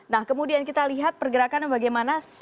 nah kemudian kita lihat pergerakan bagaimana